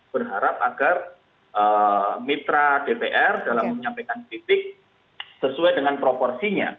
berharap agar mitra dpr dalam menyampaikan kritik sesuai dengan proporsinya